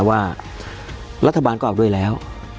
ว่ารัฐบาลก็ออกด้วยแล้ว